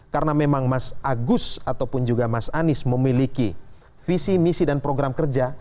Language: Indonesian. karena memang mas agus ataupun juga mas anies memiliki visi misi dan program kerja